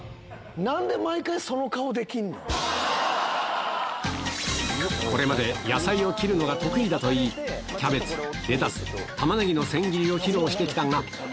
なんで毎回、これまで、野菜を切るのが得意だといい、キャベツ、レタス、タマネギの千切りを披露してきたが。